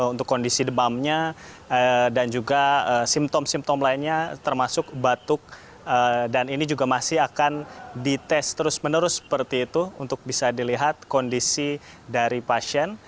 untuk kondisi demamnya dan juga simptom simptom lainnya termasuk batuk dan ini juga masih akan dites terus menerus seperti itu untuk bisa dilihat kondisi dari pasien